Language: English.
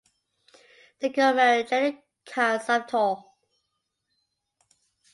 Nicol married Janet Cairns of Torr.